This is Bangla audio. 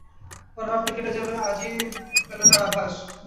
পরাভবটি কেটে যাবে আজই পেল তার আভাস।